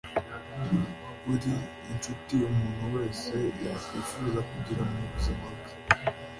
uri inshuti umuntu wese yakwifuza kugira mu buzima bwe